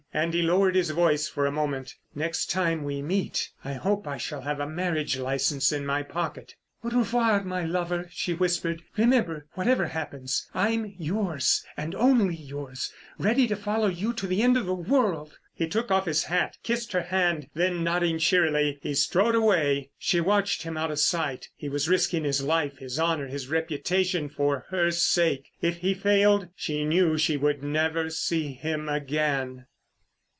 And he lowered his voice for a moment. "Next time we meet I hope I shall have a marriage licence in my pocket." "Au revoir, my lover," she whispered. "Remember, whatever happens, I'm yours and only yours: ready to follow you to the end of the world." He took off his hat, kissed her hand, then nodding cheerily, he strode away. She watched him out of sight. He was risking his life, his honour, his reputation, for her sake. If he failed, she knew she would never see him again.